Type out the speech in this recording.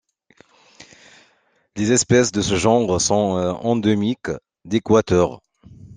Les espèces de ce genre sont endémiques d'Équateur.